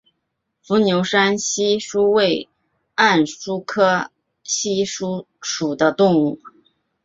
伏牛山隙蛛为暗蛛科隙蛛属的动物。